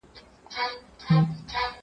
خداى له هري بي بي وركړل اولادونه